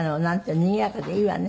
にぎやかでいいわね。